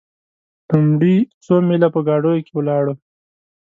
لومړي څو میله په ګاډیو کې ولاړو.